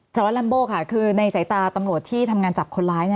จริงค่ะในสายตาตำรวจที่ทำงานจับคนร้าย